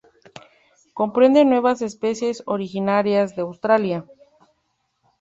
Comprende nueve especies originarias de Australia.